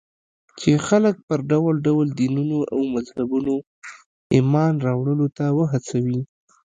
چې خلک پر ډول ډول دينونو او مذهبونو ايمان راوړلو ته وهڅوي.